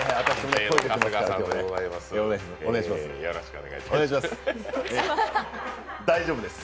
お願いします。